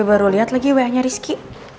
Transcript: gue baru lihat lagi wa nya rizky